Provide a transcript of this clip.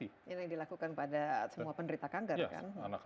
ini dilakukan pada semua penderita kanker kan